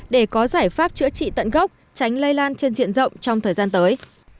để có giải pháp chữa trị tận gốc tránh lây lan trên diện rộng trong thời gian tới